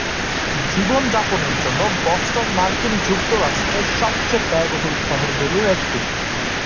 জীবনযাপনের জন্য বস্টন মার্কিন যুক্তরাষ্ট্রের সবচেয়ে ব্যয়বহুল শহরগুলির একটি।